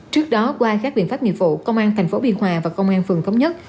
trước đó qua các biện pháp nghiệp vụ công an tp biên hòa và công an phường thống nhất